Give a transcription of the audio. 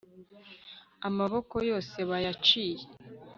Amaboko yose bayaciye